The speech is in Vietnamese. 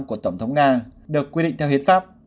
của tổng thống nga được quy định theo hiến pháp